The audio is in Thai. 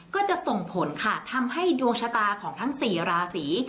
ก็จะส่งผลค่ะทำให้ดวงชะตาของทั้ง๔ราศี